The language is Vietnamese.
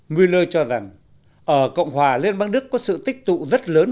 weler cho rằng ở cộng hòa liên bang đức có sự tích tụ rất lớn